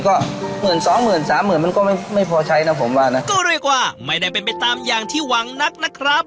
ก็หมื่นสองหมื่นสามหมื่นมันก็ไม่ไม่พอใช้นะผมว่านะก็เรียกว่าไม่ได้เป็นไปตามอย่างที่หวังนักนะครับ